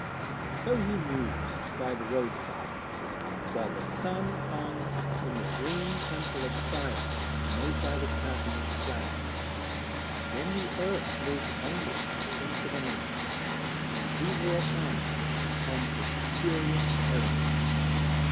So he mused by the road side while the sun hung in the dream temple of fire made by the chasm of cloud. Then the earth moved onward into the night, and he walked on upon his curious errand.